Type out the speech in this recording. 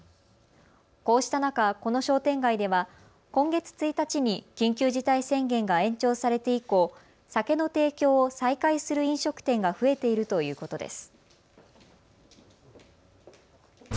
こうした中、この商店街では今月１日に緊急事態宣言が延長されて以降、酒の提供を再開する飲食店が増えているということです。